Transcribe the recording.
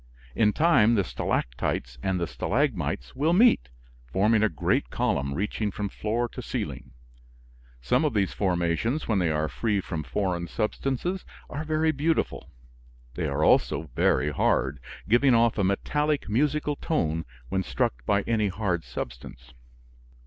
In time the stalactites and the stalagmites will meet, forming a great column reaching from floor to ceiling. Some of these formations, when they are free from foreign substances, are very beautiful. They are also very hard, giving off a metallic musical tone when struck by any hard substance.